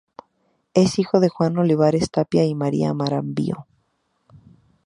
Es hijo de Juan Olivares Tapia y María Marambio.